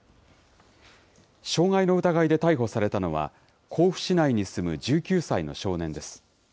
傷害の疑いで逮捕されたのは、甲府市内に住む１９歳の少年です。